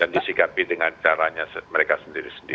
disikapi dengan caranya mereka sendiri sendiri